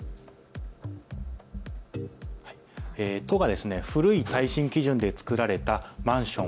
都が古い耐震基準で作られたマンション